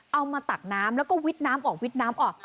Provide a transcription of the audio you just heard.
มาตักน้ำแล้วก็วิทย์น้ำออกวิทย์น้ำออก